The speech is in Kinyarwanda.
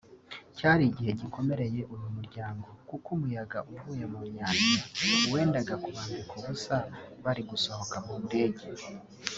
Cyari igihe gikomereye uyu muryango kuko umuyaga uvuye mu nyanja wendaga ku bambika ubusa bari gusoka mu ndege